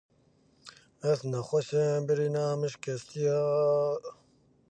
Thermoelectrics may find applications in such systems or in solar thermal energy generation.